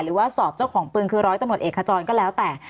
หรือว่าสอบเจ้าของปืนคือร้อยตำรวจเอกขจรก็แล้วแต่